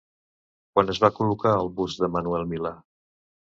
Quan es va col·locar el bust de Manuel Milà?